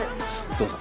どうぞ。